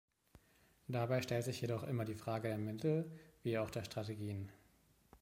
Dabei stellt sich jedoch immer die Frage der Mittel wie auch der Strategien.